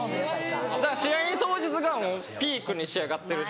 だから試合当日がもうピークに仕上がってる状態。